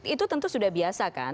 itu tentu sudah biasa kan